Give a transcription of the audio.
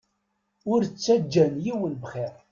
Ur ttaǧǧan yiwen bxir.